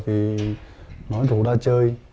thì nói thủ ra chơi